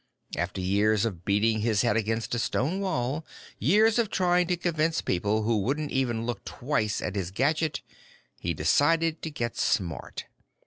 After years of beating his head against a stone wall, years of trying to convince people who wouldn't even look twice at his gadget, he decided to get smart.